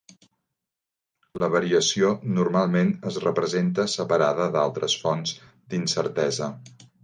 La variació normalment es representa separada d'altres fonts d'incertesa.